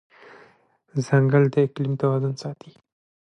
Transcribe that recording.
ځنګل د اقلیم توازن ساتي.